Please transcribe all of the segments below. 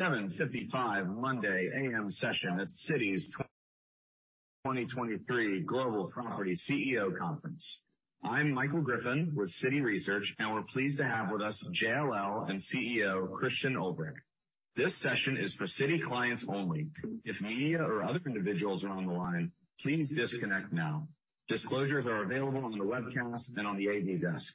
7:55 A.M. Monday session at Citi's 2023 Global Property CEO Conference. I'm Michael Griffin with Citi Research, and we're pleased to have with us JLL and CEO Christian Ulbrich. This session is for Citi clients only. If media or other individuals are on the line, please disconnect now. Disclosures are available on the webcast and on the AD desk.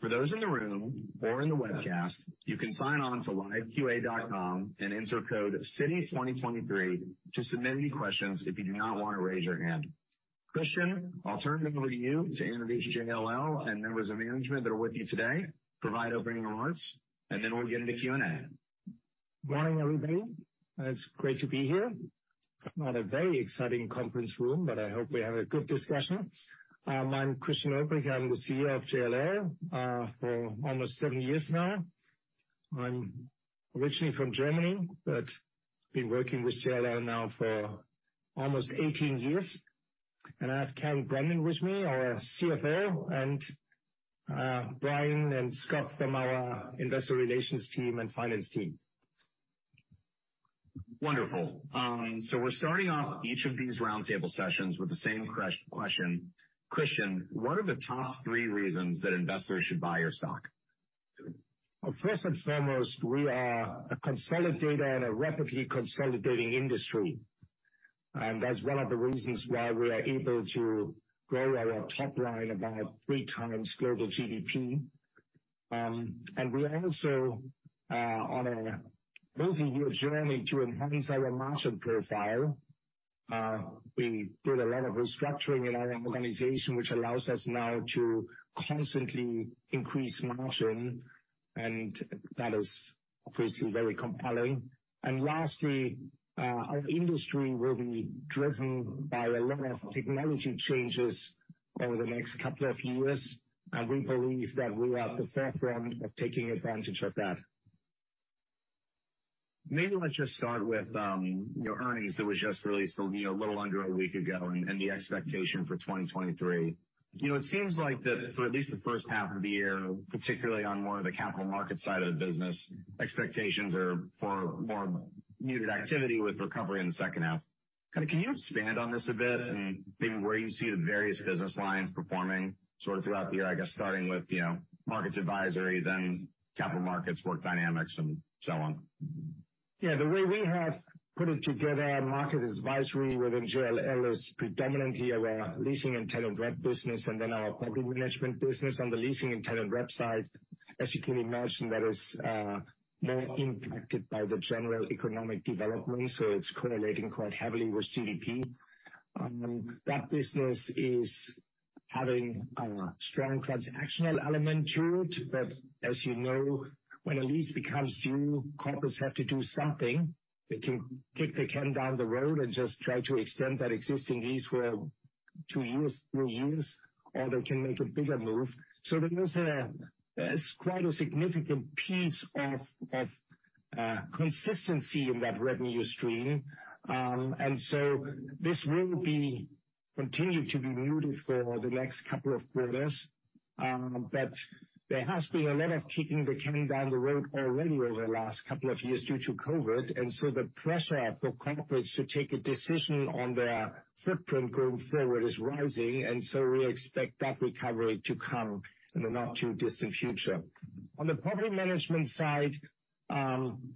For those in the room or in the webcast, you can sign on to liveqa.com and enter code Citi 2023 to submit any questions if you do not want to raise your hand. Christian, I'll turn it over to you to introduce JLL and members of management that are with you today, provide opening remarks, and then we'll get into Q&A. Morning, everybody. It's great to be here. Not a very exciting conference room, but I hope we have a good discussion. I'm Christian Ulbrich. I'm the CEO of JLL, for almost 7 years now. I'm originally from Germany, but been working with JLL now for almost 18 years. I have Karen Brennan with me, our CFO, Brian and Scott from our investor relations team and finance team. Wonderful. We're starting off each of these roundtable sessions with the same question. Christian, what are the top 3 reasons that investors should buy your stock? First and foremost, we are a consolidator in a rapidly consolidating industry, and that's one of the reasons why we are able to grow our top line about three times global GDP. We are also on a multi-year journey to enhance our margin profile. We did a lot of restructuring in our organization, which allows us now to constantly increase margin, and that is obviously very compelling. Lastly, our industry will be driven by a lot of technology changes over the next couple of years, and we believe that we are at the forefront of taking advantage of that. Maybe let's just start with your earnings that was just released a little under a week ago, and the expectation for 2023. You know, it seems like that for at least the first half of the year, particularly on more of the Capital Markets side of the business, expectations are for more muted activity with recovery in the second half. Can you expand on this a bit and maybe where you see the various business lines performing sort of throughout the year? I guess starting with, you know, Markets Advisory, then Capital Markets, Work Dynamics and so on. Yeah. The way we have put it together, Markets Advisory within JLL is predominantly our leasing and tenant representation business and then our Property Management business. On the leasing and tenant representation side, as you can imagine, that is more impacted by the general economic development, so it's correlating quite heavily with GDP. That business is having a strong transactional element to it, but as you know, when a lease becomes due, corporates have to do something. They can kick the can down the road and just try to extend that existing lease for two years, three years, or they can make a bigger move. There is quite a significant piece of consistency in that revenue stream. This will be continued to be muted for the next couple of quarters. There has been a lot of kicking the can down the road already over the last couple of years due to COVID. The pressure for corporates to take a decision on their footprint going forward is rising. We expect that recovery to come in the not too distant future. On the Property Management side,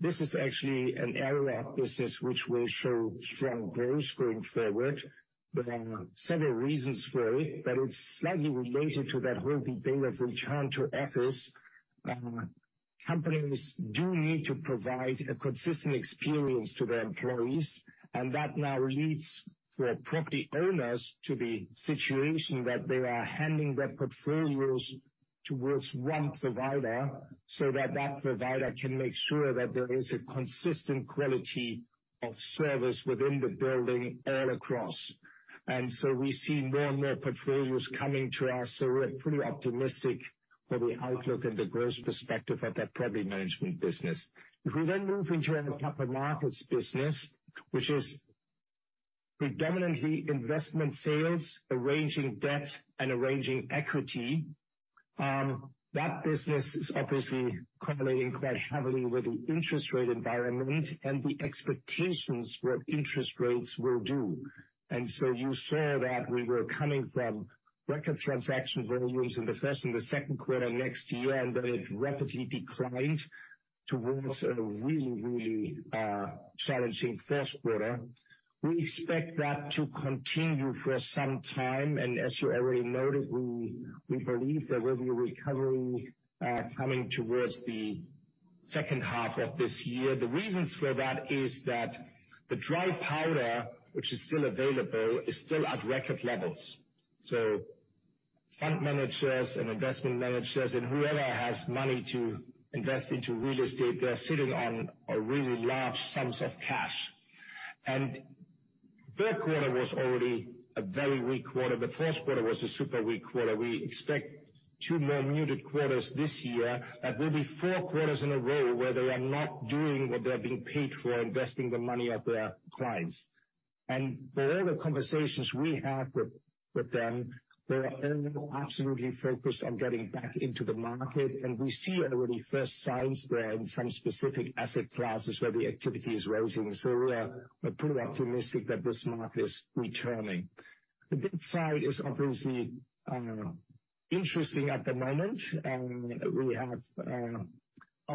this is actually an area of business which will show strong growth going forward. There are several reasons for it. It's slightly related to that whole debate of return to office. Companies do need to provide a consistent experience to their employees. That now leads for property owners to the situation that they are handing their portfolios towards one provider so that that provider can make sure that there is a consistent quality of service within the building all across. We see more and more portfolios coming to us. We're pretty optimistic for the outlook and the growth perspective of that Property Management business. We then move into our Capital Markets business, which is predominantly investment sales, arranging debt and arranging equity, that business is obviously correlating quite heavily with the interest rate environment and the expectations for what interest rates will do. You saw that we were coming from record transaction volumes in the first and the Q2 of next year, and then it rapidly declined towards a really, really challenging Q1. We expect that to continue for some time. As you already noted, we believe there will be a recovery coming towards the second half of this year. The reasons for that is that the dry powder, which is still available, is still at record levels. Fund managers and investment managers and whoever has money to invest into real estate, they're sitting on a really large sums of cash. Q3 was already a very weak quarter. The Q1 was a super weak quarter. We expect two more muted quarters this year. That will be four quarters in a row where they are not doing what they are being paid for, investing the money of their clients. For all the conversations we have with them, they are all absolutely focused on getting back into the market. We see already first signs there in some specific asset classes where the activity is rising. We're pretty optimistic that this market is returning. The debt side is obviously interesting at the moment, and we have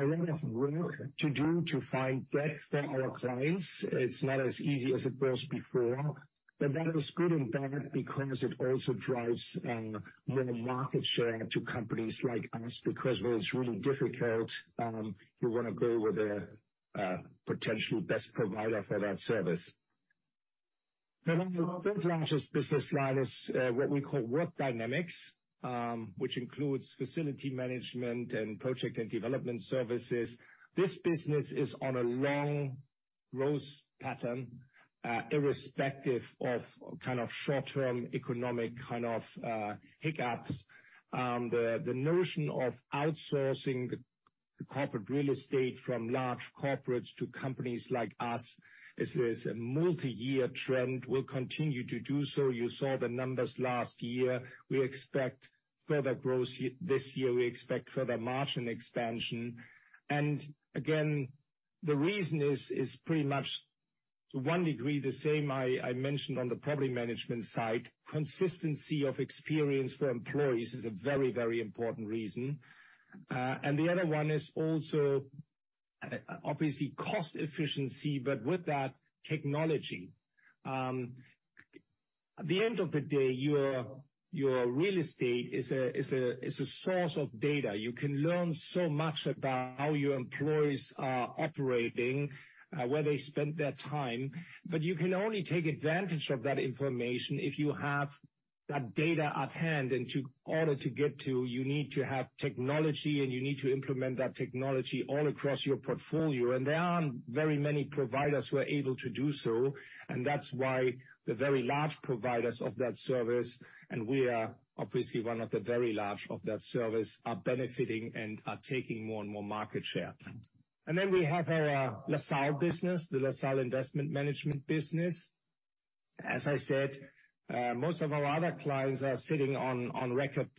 a lot of work to do to find debt for our clients. It's not as easy as it was before. That is good and bad because it also drives more market share to companies like us, because when it's really difficult, you wanna go with a potential best provider for that service. The 3rd largest business line is what we call Work Dynamics, which includes facility management and Project and Development Services. This business is on a long growth pattern, irrespective of short-term economic hiccups. The notion of outsourcing the corporate real estate from large corporates to companies like us is a multiyear trend, will continue to do so. You saw the numbers last year. We expect further growth this year. We expect further margin expansion. Again, the reason is pretty much to one degree the same I mentioned on the Property Management side. Consistency of experience for employees is a very important reason. The other one is also obviously cost efficiency, but with that, technology. At the end of the day, your real estate is a source of data. You can learn so much about how your employees are operating, where they spend their time, but you can only take advantage of that information if you have that data at hand. In order to get to, you need to have technology, and you need to implement that technology all across your portfolio. There aren't very many providers who are able to do so, and that's why the very large providers of that service, and we are obviously one of the very large of that service, are benefiting and are taking more and more market share. We have our LaSalle business, the LaSalle Investment Management business. As I said, most of our other clients are sitting on record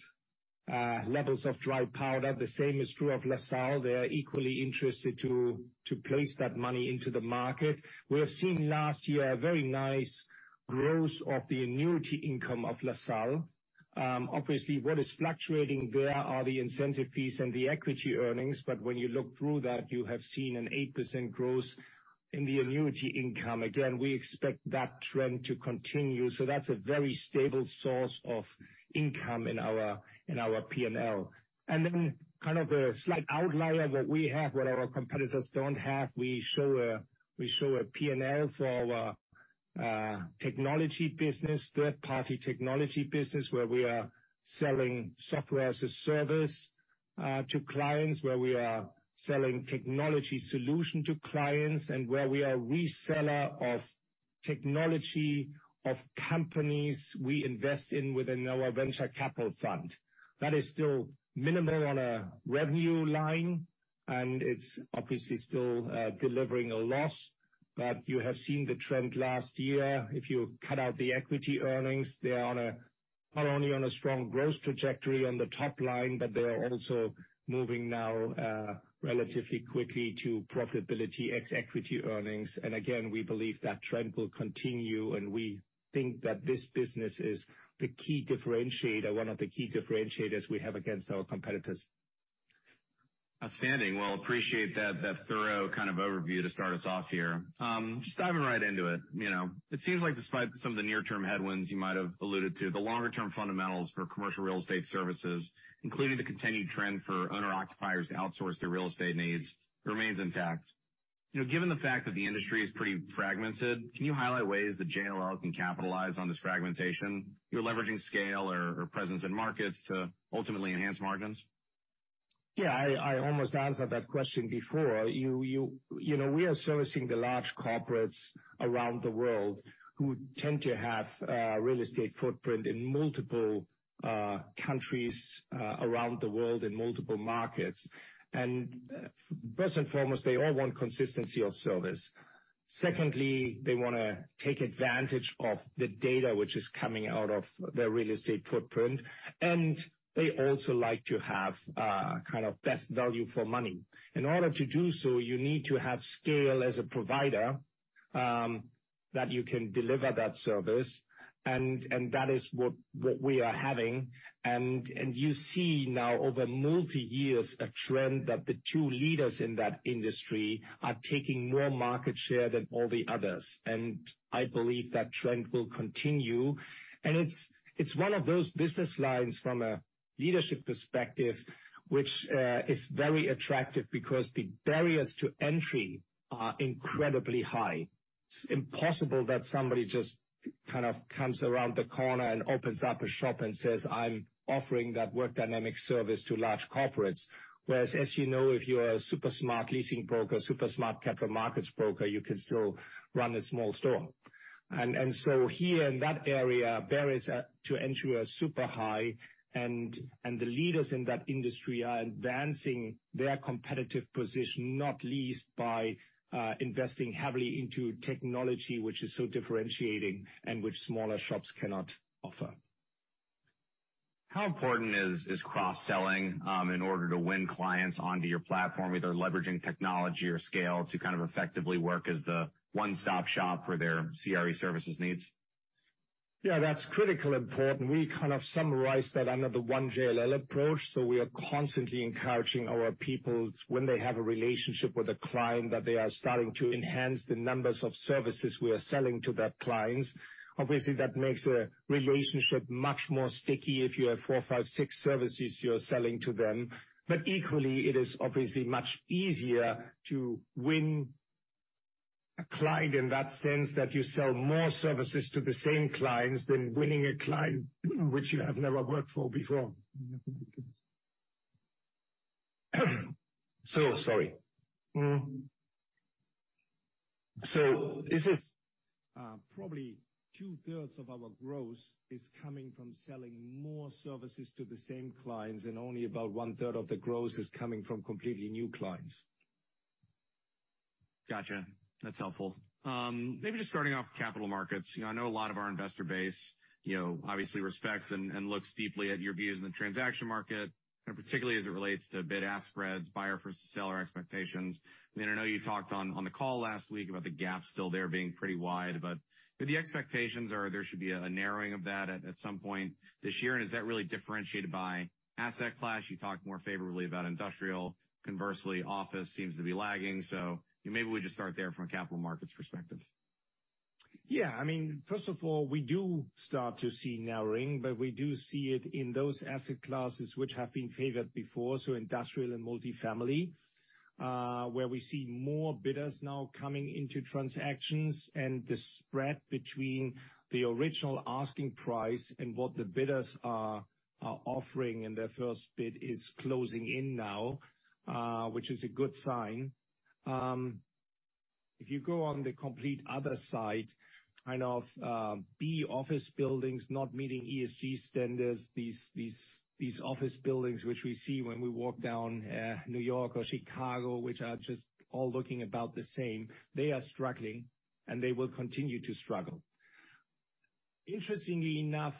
levels of dry powder. The same is true of LaSalle. They're equally interested to place that money into the market. We have seen last year a very nice growth of the annuity income of LaSalle. Obviously, what is fluctuating there are the incentive fees and the equity earnings, but when you look through that, you have seen an 8% growth in the annuity income. We expect that trend to continue, so that's a very stable source of income in our P&L. Kind of a slight outlier that we have, what our competitors don't have, we show a P&L for our technology business, third-party technology business, where we are selling software as a service to clients, where we are selling technology solution to clients, and where we are reseller of technology of companies we invest in within our venture capital fund. That is still minimal on a revenue line, and it's obviously still delivering a loss. You have seen the trend last year. If you cut out the equity earnings, they are not only on a strong growth trajectory on the top line, but they are also moving now relatively quickly to profitability ex equity earnings. Again, we believe that trend will continue, and we think that this business is the key differentiator, one of the key differentiators we have against our competitors. Outstanding. Well, appreciate that thorough kind of overview to start us off here. Just diving right into it, you know. It seems like despite some of the near-term headwinds you might have alluded to, the longer term fundamentals for commercial real estate services, including the continued trend for owner-occupiers to outsource their real estate needs, remains intact. You know, given the fact that the industry is pretty fragmented, can you highlight ways that JLL can capitalize on this fragmentation, you know, leveraging scale or presence in markets to ultimately enhance margins? Yeah. I almost answered that question before. You know, we are servicing the large corporates around the world who tend to have a real estate footprint in multiple countries around the world, in multiple markets. First and foremost, they all want consistency of service. Secondly, they wanna take advantage of the data which is coming out of their real estate footprint, they also like to have kind of best value for money. In order to do so, you need to have scale as a provider that you can deliver that service, and that is what we are having. You see now over multi years a trend that the two leaders in that industry are taking more market share than all the others. I believe that trend will continue. It's one of those business lines from a leadership perspective which is very attractive because the barriers to entry are incredibly high. It's impossible that somebody just kind of comes around the corner and opens up a shop and says, "I'm offering that Work Dynamics service to large corporates." Whereas as you know, if you're a super smart leasing broker, super smart Capital Markets broker, you can still run a small store. So here in that area, barriers to entry are super high and the leaders in that industry are advancing their competitive position, not least by investing heavily into technology which is so differentiating and which smaller shops cannot offer. How important is cross-selling, in order to win clients onto your platform, either leveraging technology or scale to kind of effectively work as the one-stop shop for their CRE services needs? Yeah, that's critically important. We kind of summarize that under the One JLL approach, so we are constantly encouraging our people when they have a relationship with a client, that they are starting to enhance the numbers of services we are selling to that client. Obviously, that makes a relationship much more sticky if you have four, five, six services you're selling to them. Equally, it is obviously much easier to win a client in that sense that you sell more services to the same clients than winning a client which you have never worked for before. Sorry. This is, probably 2/3 of our growth is coming from selling more services to the same clients, and only about 1/3 of the growth is coming from completely new clients. Gotcha. That's helpful. Maybe just starting off with Capital Markets. You know, I know a lot of our investor base, you know, obviously respects and looks deeply at your views in the transaction market, and particularly as it relates to bid-ask spreads, buyer versus seller expectations. I mean, I know you talked on the call last week about the gap still there being pretty wide, but do the expectations are there should be a narrowing of that at some point this year, and is that really differentiated by asset class? You talked more favorably about industrial. Conversely, office seems to be lagging. Maybe we just start there from a Capital Markets perspective. Yeah. I mean, first of all, we do start to see narrowing, but we do see it in those asset classes which have been favored before, so industrial and multifamily, where we see more bidders now coming into transactions and the spread between the original asking price and what the bidders are offering in their first bid is closing in now, which is a good sign. If you go on the complete other side, kind of, B office buildings not meeting ESG standards, these office buildings which we see when we walk down, New York or Chicago, which are just all looking about the same, they are struggling, and they will continue to struggle. Interestingly enough,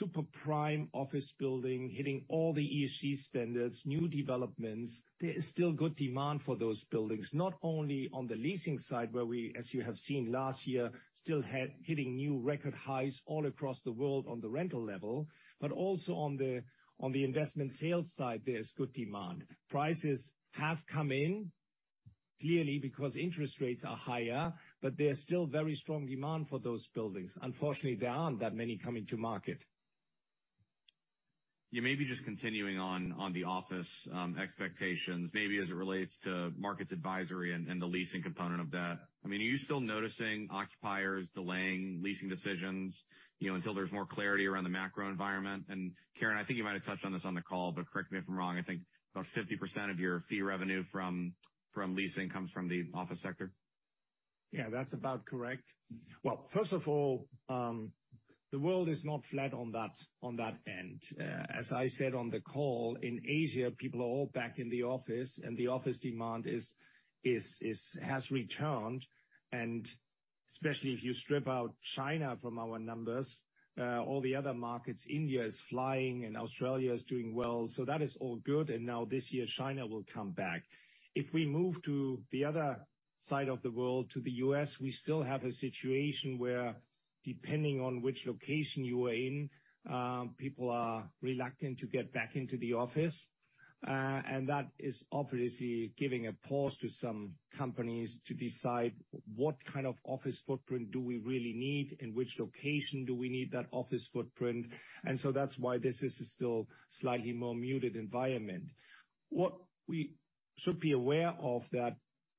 any super prime office building hitting all the ESG standards, new developments, there is still good demand for those buildings, not only on the leasing side, where we, as you have seen last year, still had hitting new record highs all across the world on the rental level, but also on the investment sales side, there's good demand. Prices have come in, clearly because interest rates are higher, but there's still very strong demand for those buildings. Unfortunately, there aren't that many coming to market. Yeah, maybe just continuing on the office, expectations, maybe as it relates to Markets Advisory and the leasing component of that. I mean, are you still noticing occupiers delaying leasing decisions, you know, until there's more clarity around the macro environment? Karen, I think you might have touched on this on the call, but correct me if I'm wrong, I think about 50% of your fee revenue from leasing comes from the office sector. Yeah, that's about correct. First of all, the world is not flat on that end. As I said on the call, in Asia, people are all back in the office, and the office demand has returned, and especially if you strip out China from our numbers, all the other markets, India is flying and Australia is doing well. That is all good, and now this year, China will come back. If we move to the other side of the world, to the US, we still have a situation where depending on which location you are in, people are reluctant to get back into the office. That is obviously giving a pause to some companies to decide what kind of office footprint do we really need and which location do we need that office footprint. That's why this is a still slightly more muted environment. What we should be aware of that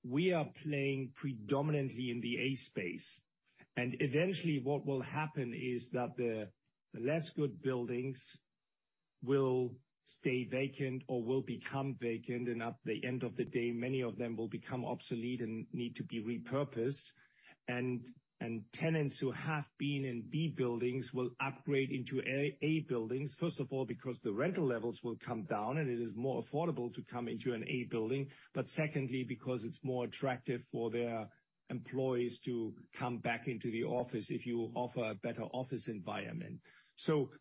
we are playing predominantly in the A space, and eventually what will happen is that the less good buildings will stay vacant or will become vacant, and at the end of the day, many of them will become obsolete and need to be repurposed. Tenants who have been in B buildings will upgrade into A buildings, first of all, because the rental levels will come down, and it is more affordable to come into an A building. Secondly, because it's more attractive for their employees to come back into the office if you offer a better office environment.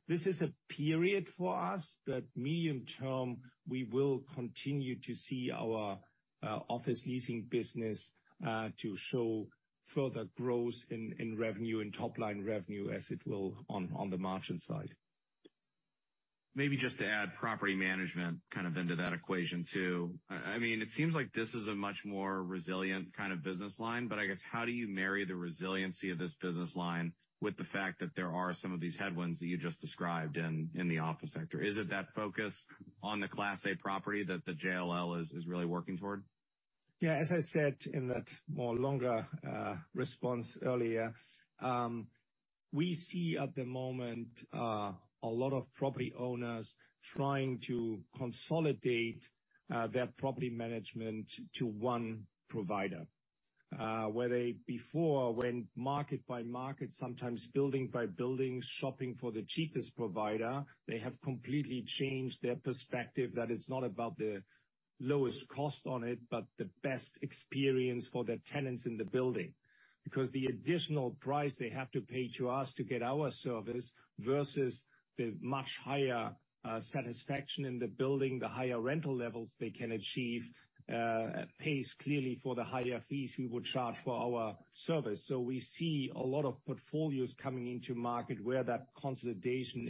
This is a period for us that medium term, we will continue to see our office leasing business to show further growth in revenue and top-line revenue as it will on the margin side. Maybe just to add Property Management kind of into that equation too. I mean, it seems like this is a much more resilient kind of business line, I guess, how do you marry the resiliency of this business line with the fact that there are some of these headwinds that you just described in the office sector? Is it that focus on the Class A property that JLL is really working toward? Yeah. As I said in that more longer response earlier, we see at the moment a lot of property owners trying to consolidate their Property Management to one provider, where they before went market by market, sometimes building by building, shopping for the cheapest provider. They have completely changed their perspective that it's not about the lowest cost on it, but the best experience for the tenants in the building. Because the additional price they have to pay to us to get our service versus the much higher satisfaction in the building, the higher rental levels they can achieve, pays clearly for the higher fees we would charge for our service. We see a lot of portfolios coming into market where that consolidation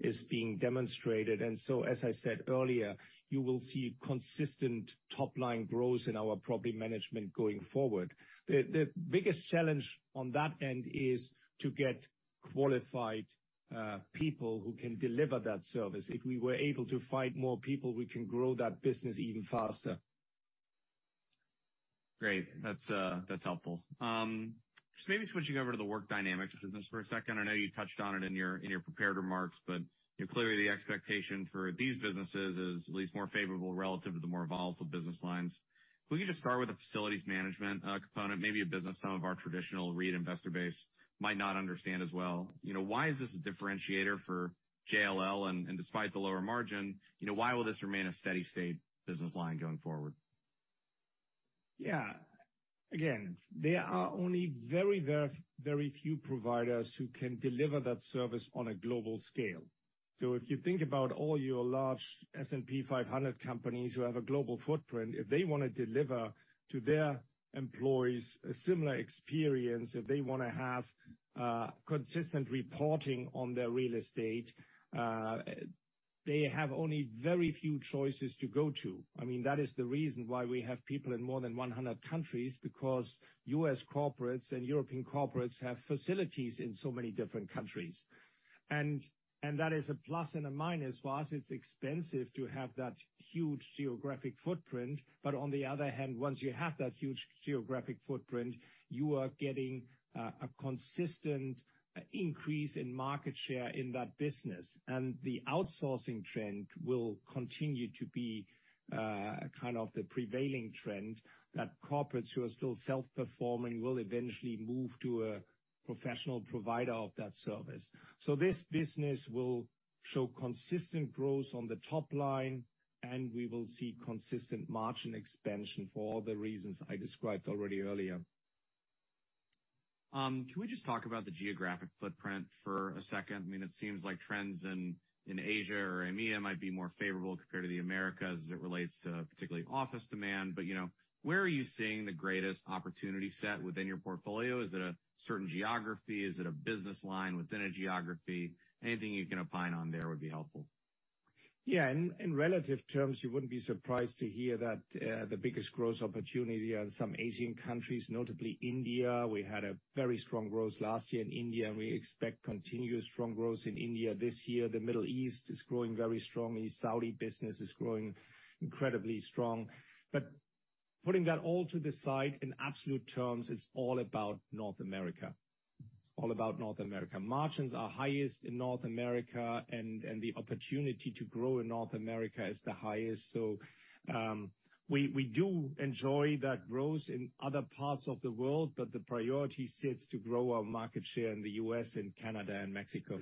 is being demonstrated. As I said earlier, you will see consistent top-line growth in our Property Management going forward. The biggest challenge on that end is to get qualified people who can deliver that service. If we were able to find more people, we can grow that business even faster. Great. That's, that's helpful. Just maybe switching over to the Work Dynamics business for a second. I know you touched on it in your prepared remarks, but, you know, clearly the expectation for these businesses is at least more favorable relative to the more volatile business lines. Can we just start with the facilities management component, maybe a business some of our traditional REIT investor base might not understand as well? You know, why is this a differentiator for JLL? Despite the lower margin, you know, why will this remain a steady state business line going forward? Yeah. Again, there are only very few providers who can deliver that service on a global scale. If you think about all your large S&P 500 companies who have a global footprint, if they wanna deliver to their employees a similar experience, if they wanna have consistent reporting on their real estate, they have only very few choices to go to. I mean, that is the reason why we have people in more than 100 countries, because U.S. corporates and European corporates have facilities in so many different countries. That is a plus and a minus for us. It's expensive to have that huge geographic footprint. On the other hand, once you have that huge geographic footprint, you are getting a consistent increase in market share in that business. The outsourcing trend will continue to be, kind of the prevailing trend that corporates who are still self-performing will eventually move to a professional provider of that service. This business will show consistent growth on the top line, and we will see consistent margin expansion for all the reasons I described already earlier. Can we just talk about the geographic footprint for a second? I mean, it seems like trends in Asia or EMEA might be more favorable compared to the Americas as it relates to particularly office demand. You know, where are you seeing the greatest opportunity set within your portfolio? Is it a certain geography? Is it a business line within a geography? Anything you can opine on there would be helpful. Yeah. In relative terms, you wouldn't be surprised to hear that the biggest growth opportunity are in some Asian countries, notably India. We had a very strong growth last year in India. We expect continuous strong growth in India this year. The Middle East is growing very strongly. Saudi business is growing incredibly strong. Putting that all to the side, in absolute terms, it's all about North America. It's all about North America. Margins are highest in North America and the opportunity to grow in North America is the highest. We do enjoy that growth in other parts of the world, but the priority sits to grow our market share in the U.S., and Canada, and Mexico.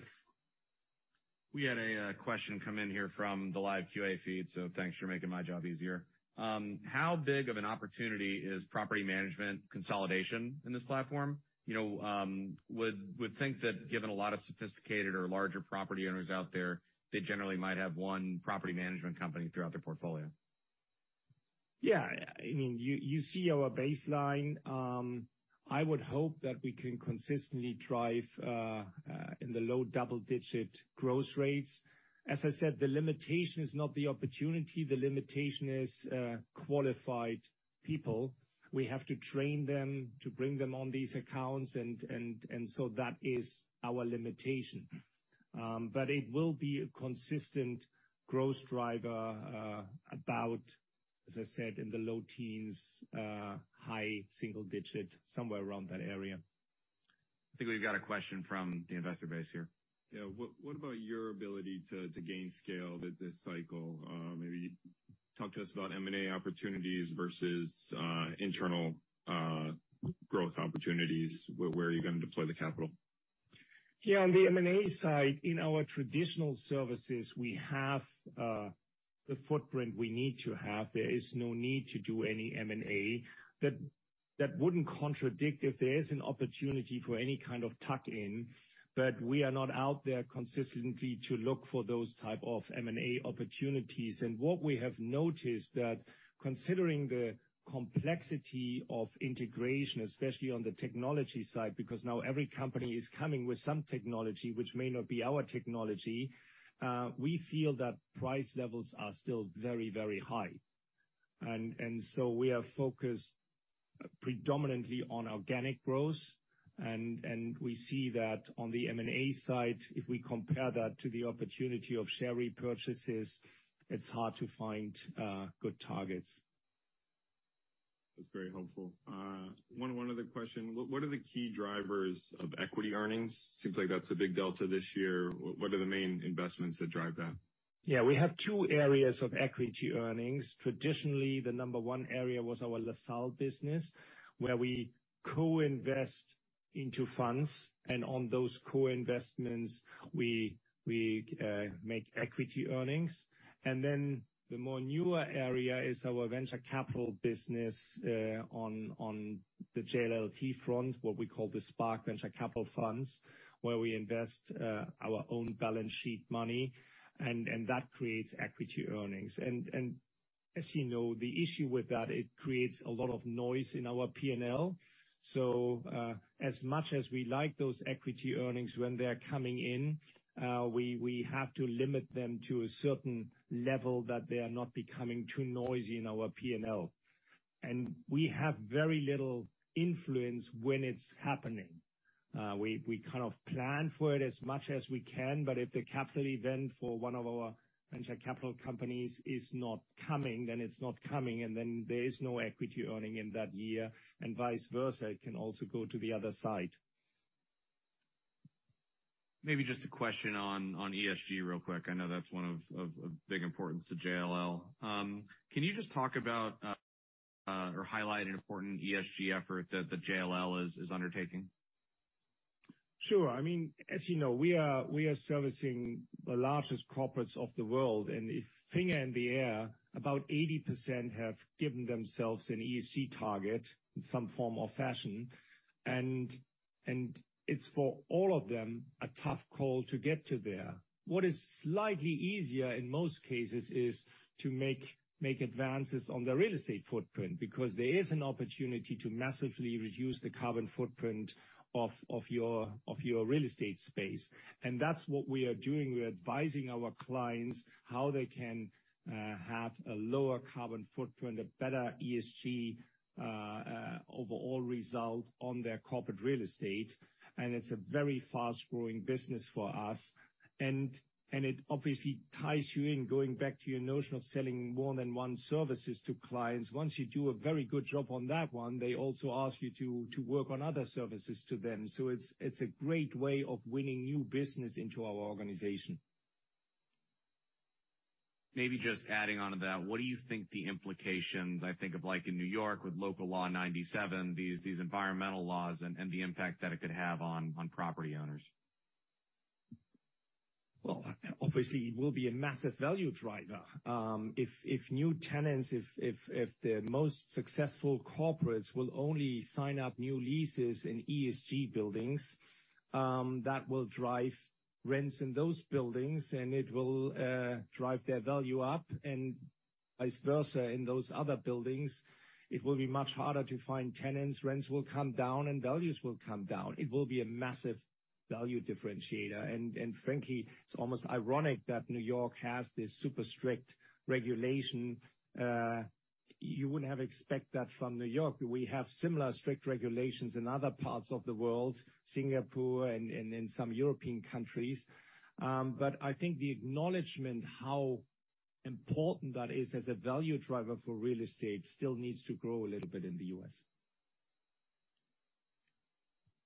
We had a question come in here from the live QA feed, so thanks for making my job easier. How big of an opportunity is Property Management consolidation in this platform? You know, would think that given a lot of sophisticated or larger property owners out there, they generally might have one Property Management company throughout their portfolio. I mean, you see our baseline. I would hope that we can consistently drive in the low double digit growth rates. As I said, the limitation is not the opportunity, the limitation is qualified people. We have to train them to bring them on these accounts and that is our limitation. It will be a consistent growth driver about, as I said, in the low teens, high single digit, somewhere around that area. I think we've got a question from the investor base here. Yeah. What about your ability to gain scale with this cycle? Maybe talk to us about M&A opportunities versus internal growth opportunities. Where are you gonna deploy the capital? Yeah. On the M&A side, in our traditional services, we have the footprint we need to have. There is no need to do any M&A. That wouldn't contradict if there is an opportunity for any kind of tuck-in, but we are not out there consistently to look for those type of M&A opportunities. What we have noticed that considering the complexity of integration, especially on the technology side, because now every company is coming with some technology which may not be our technology, we feel that price levels are still very, very high. So we are focused predominantly on organic growth, and we see that on the M&A side, if we compare that to the opportunity of share repurchases, it's hard to find good targets. That's very helpful. one other question. What are the key drivers of equity earnings? Seems like that's a big delta this year. What are the main investments that drive that? Yeah. We have two areas of equity earnings. Traditionally, the number one area was our LaSalle business, where we co-invest into funds. On those core investments, we make equity earnings. The more newer area is our venture capital business on the JLL front, what we call the Spark Venture Capital Funds, where we invest our own balance sheet money, and that creates equity earnings. As you know, the issue with that, it creates a lot of noise in our P&L. As much as we like those equity earnings when they're coming in, we have to limit them to a certain level that they are not becoming too noisy in our P&L. We have very little influence when it's happening. We kind of plan for it as much as we can. If the capital event for one of our venture capital companies is not coming, then it's not coming. There is no equity earning in that year. Vice versa. It can also go to the other side. Maybe just a question on ESG real quick. I know that's one of big importance to JLL. Can you just talk about or highlight an important ESG effort that JLL is undertaking? Sure. I mean, as you know, we are servicing the largest corporates of the world. A finger in the air, about 80% have given themselves an ESG target in some form or fashion. It's for all of them a tough call to get to there. What is slightly easier in most cases is to make advances on their real estate footprint because there is an opportunity to massively reduce the carbon footprint of your real estate space. That's what we are doing. We're advising our clients how they can have a lower carbon footprint, a better ESG overall result on their corporate real estate, and it's a very fast-growing business for us. It obviously ties you in, going back to your notion of selling more than one services to clients. Once you do a very good job on that one, they also ask you to work on other services to them. It's a great way of winning new business into our organization. Maybe just adding on to that, what do you think the implications, I think of like in New York with Local Law 97, these environmental laws and the impact that it could have on property owners? Well, obviously it will be a massive value driver. If new tenants, if the most successful corporates will only sign up new leases in ESG buildings, that will drive rents in those buildings, and it will drive their value up. Vice versa in those other buildings, it will be much harder to find tenants. Rents will come down, and values will come down. It will be a massive value differentiator. Frankly, it's almost ironic that New York has this super strict regulation. You wouldn't have expect that from New York. We have similar strict regulations in other parts of the world, Singapore and in some European countries. I think the acknowledgement how important that is as a value driver for real estate still needs to grow a little bit in the US.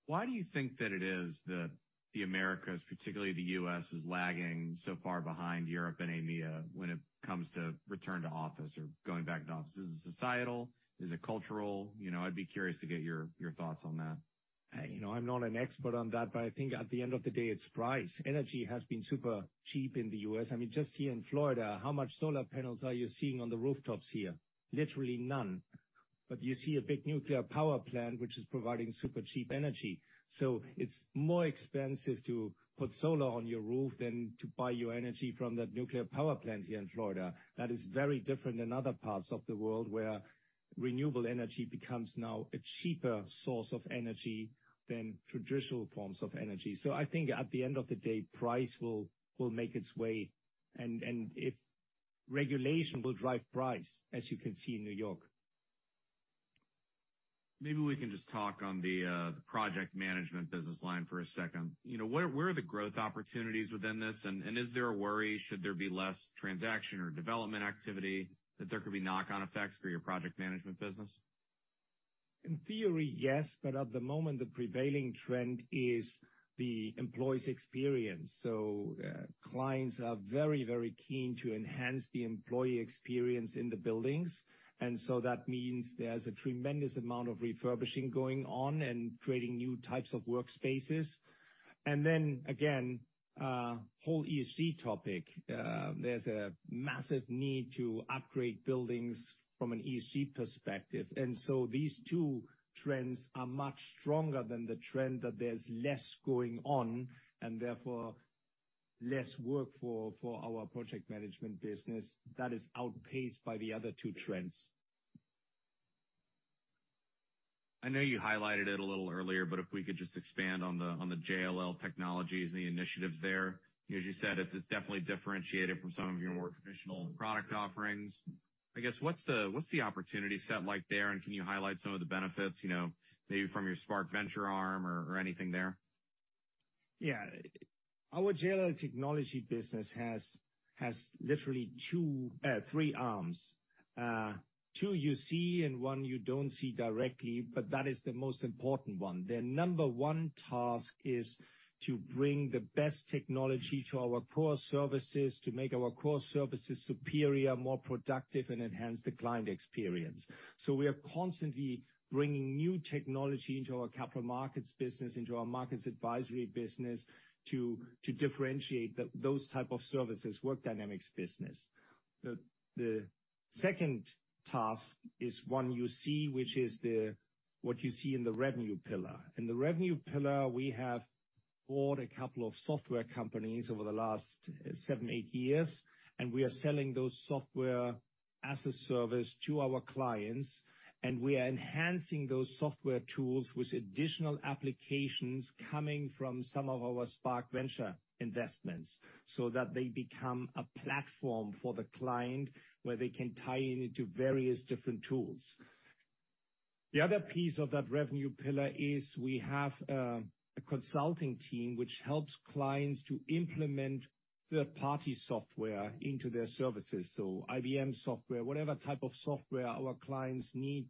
Why do you think that it is that the Americas, particularly the U.S., is lagging so far behind Europe and EMEA when it comes to return to office or going back to office? Is it societal? Is it cultural? You know, I'd be curious to get your thoughts on that. You know, I'm not an expert on that, I think at the end of the day, it's price. Energy has been super cheap in the U.S. I mean, just here in Florida, how much solar panels are you seeing on the rooftops here? Literally none. You see a big nuclear power plant which is providing super cheap energy. It's more expensive to put solar on your roof than to buy your energy from that nuclear power plant here in Florida. That is very different in other parts of the world, where renewable energy becomes now a cheaper source of energy than traditional forms of energy. I think at the end of the day, price will make its way and if regulation will drive price, as you can see in New York. Maybe we can just talk on the project management business line for a second. You know, where are the growth opportunities within this? Is there a worry, should there be less transaction or development activity, that there could be knock-on effects for your project management business? In theory, yes. At the moment, the prevailing trend is the employee's experience. Clients are very, very keen to enhance the employee experience in the buildings. That means there's a tremendous amount of refurbishing going on and creating new types of workspaces. Then again, whole ESG topic. There's a massive need to upgrade buildings from an ESG perspective. These two trends are much stronger than the trend that there's less going on and therefore less work for our project management business. That is outpaced by the other two trends. I know you highlighted it a little earlier, if we could just expand on the JLL Technologies and the initiatives there. As you said, it's definitely differentiated from some of your more traditional product offerings. I guess, what's the opportunity set like there? Can you highlight some of the benefits, you know, maybe from your Spark venture arm or anything there? Yeah. Our JLL Technologies business has literally 2, 3 arms. 2 you see and 1 you don't see directly, but that is the most important 1. Their number 1 task is to bring the best technology to our core services to make our core services superior, more productive, and enhance the client experience. We are constantly bringing new technology into our Capital Markets business, into our Markets Advisory business to differentiate those type of services, Work Dynamics business. The second task is 1 you see, which is what you see in the revenue pillar. In the revenue pillar, we have bought a couple of software companies over the last seven, eight years, and we are selling those software as a service to our clients, and we are enhancing those software tools with additional applications coming from some of our Spark Venture investments so that they become a platform for the client where they can tie in into various different tools. The other piece of that revenue pillar is we have a consulting team which helps clients to implement third-party software into their services. IBM software, whatever type of software our clients need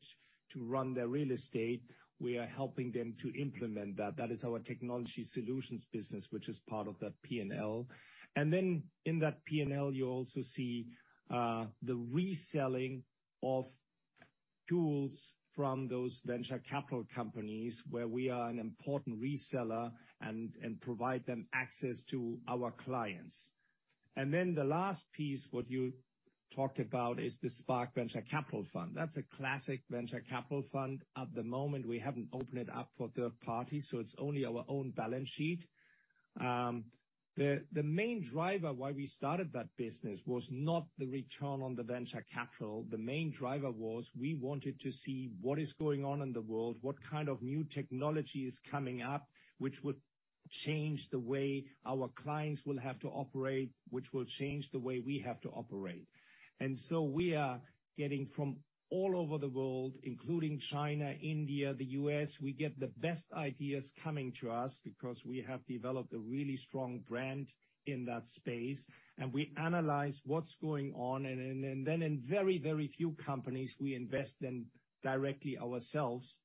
to run their real estate, we are helping them to implement that. That is our Technology Solutions business, which is part of that P&L. In that P&L, you also see the reselling of tools from those venture capital companies where we are an important reseller and provide them access to our clients. The last piece, what you talked about, is the Spark Venture Capital Fund. That's a classic venture capital fund. At the moment, we haven't opened it up for third party, so it's only our own balance sheet. The main driver why we started that business was not the return on the venture capital. The main driver was we wanted to see what is going on in the world, what kind of new technology is coming up, which would change the way our clients will have to operate, which will change the way we have to operate. We are getting from all over the world, including China, India, the U.S., we get the best ideas coming to us because we have developed a really strong brand in that space, and we analyze what's going on. Then, in very, very few companies, we invest in directly ourselves.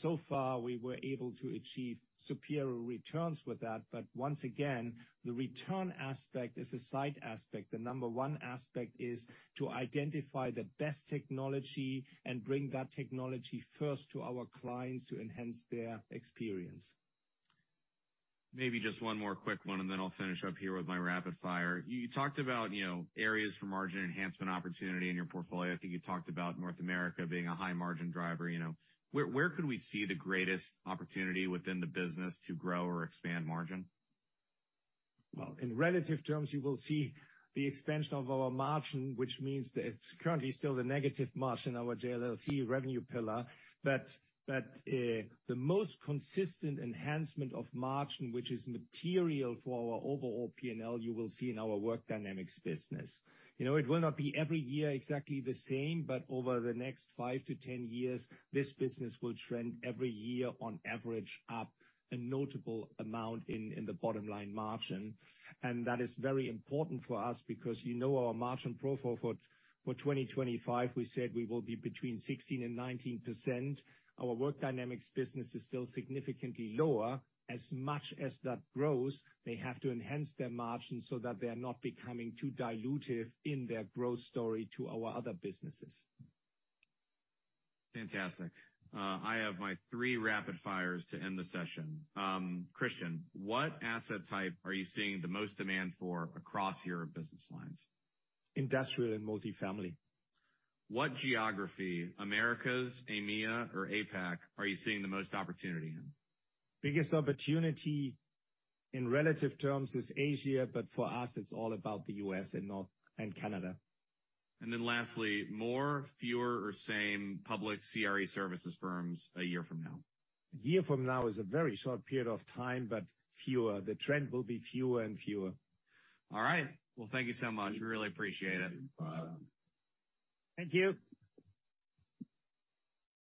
So far, we were able to achieve superior returns with that. Once again, the return aspect is a side aspect. The number one aspect is to identify the best technology and bring that technology first to our clients to enhance their experience. Maybe just one more quick one, and then I'll finish up here with my rapid fire. You talked about, you know, areas for margin enhancement opportunity in your portfolio. I think you talked about North America being a high margin driver, you know. Where could we see the greatest opportunity within the business to grow or expand margin? Well, in relative terms, you will see the expansion of our margin, which means that it's currently still the negative margin in our JLL revenue pillar. The most consistent enhancement of margin, which is material for our overall P&L, you will see in our Work Dynamics business. You know, it will not be every year exactly the same, but over the next 5 to 10 years, this business will trend every year on average up a notable amount in the bottom line margin. That is very important for us because you know our margin profile for 2025, we said we will be between 16% and 19%. Our Work Dynamics business is still significantly lower. As much as that grows, they have to enhance their margin so that they are not becoming too dilutive in their growth story to our other businesses. Fantastic. I have my three rapid fires to end the session. Christian, what asset type are you seeing the most demand for across your business lines? Industrial and multifamily. What geography, Americas, EMEA or APAC, are you seeing the most opportunity in? Biggest opportunity in relative terms is Asia, for us, it's all about the U.S. and Canada. Lastly, more, fewer or same public CRE services firms a year from now? A year from now is a very short period of time, but fewer. The trend will be fewer and fewer. All right. Well, thank you so much. Really appreciate it. Thank you.